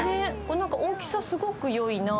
大きさ、すごく良いな。